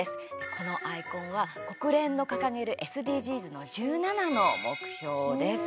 このアイコンは国連の掲げるＳＤＧｓの１７の目標です。